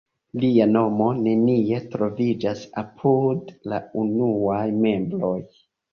Lia nomo nenie troviĝas apud la unuaj membroj.